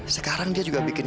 sekarang dia juga bikin